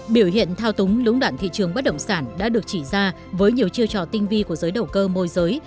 biểu hiện thao túng lũng đoạn thị trường bất động sản đã được chỉ ra với nhiều chiêu trò tinh vi của giới đầu cơ môi giới